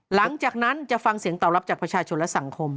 หลังจากนั้นจะฟังเสียงตอบรับจากประชาชนและสังคม